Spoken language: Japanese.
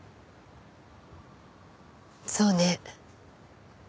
そうね。